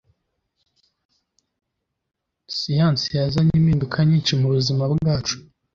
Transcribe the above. Siyanse yazanye impinduka nyinshi mubuzima bwacu.